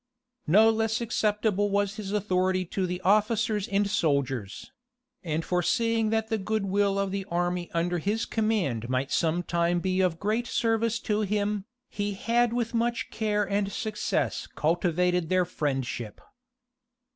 No less acceptable was his authority to the officers and soldiers; and foreseeing that the good will of the army under his command might some time be of great service to him, he had with much care and success cultivated their friendship.